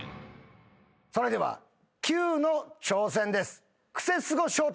それではキュウの挑戦です。